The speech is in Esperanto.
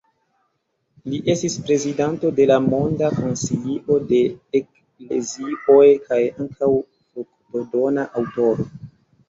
Li estis prezidanto de la Monda Konsilio de Eklezioj kaj ankaŭ fruktodona aŭtoro.